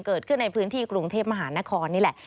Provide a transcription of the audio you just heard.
เกิดขึ้นในพื้นที่กรุงเทพมหานครนี่แหละ